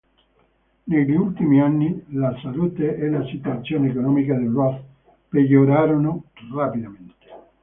Negli ultimi anni la salute e la situazione economica di Roth peggiorarono rapidamente.